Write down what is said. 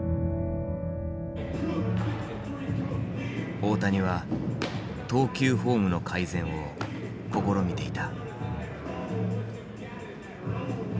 大谷は投球フォームの改善を試みていた。